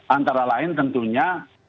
antara lain tentunya